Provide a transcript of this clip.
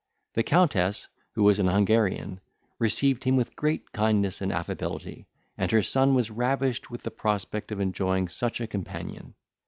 The Countess, who was an Hungarian, received him with great kindness and affability, and her son was ravished with the prospect of enjoying such a companion.